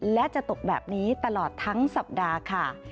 และจะตกแบบนี้ตลอดทั้งสัปดาห์ค่ะ